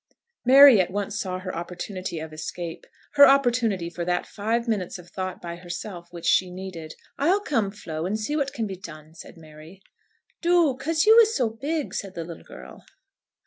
Mary at once saw her opportunity of escape, her opportunity for that five minutes of thought by herself which she needed. "I'll come, Flo, and see what can be done," said Mary. "Do; 'cause you is so big," said the little girl.